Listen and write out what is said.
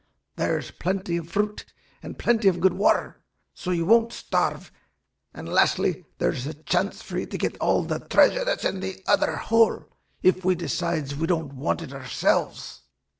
There's plenty of fruit, and plenty of good water, so you won't starve; and, lastly, there's a chance for you to get all the treasure that's in that other hole if we decides that we don't want it ourselves."